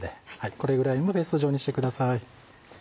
これぐらいのペースト状にしてください。